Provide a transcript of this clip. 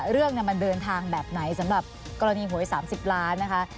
เรื่องมันเดินทางแบบไหนสำหรับกรณีหวย๓๐ล้านนะคะ